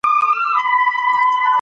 یوازې مخکې تګ دی.